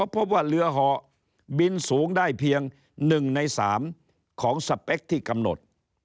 พบว่าเรือห่อบินสูงได้เพียง๑ใน๓ของสเปคที่กำหนด